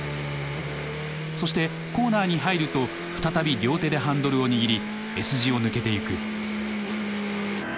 そしてコーナーに入ると再び両手でハンドルを握りＳ字を抜けていく。